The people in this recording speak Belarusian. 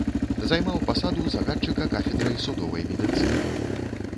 Займаў пасаду загадчыка кафедрай судовай медыцыны.